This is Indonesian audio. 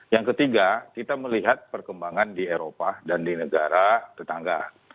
yang ketiga kita melihat perkembangan di eropa dan di negara tetangga